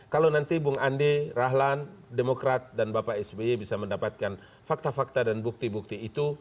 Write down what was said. kalau nanti bung andi rahlan demokrat dan bapak sby bisa mendapatkan fakta fakta dan bukti bukti itu